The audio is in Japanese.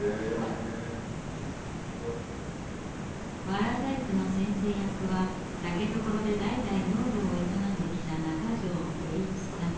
わら細工の先生役は竹所で代々農業を営んできた中條栄一さん。